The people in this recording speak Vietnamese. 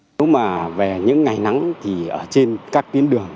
nếu mà về những ngày nắng thì ở trên các tuyến đường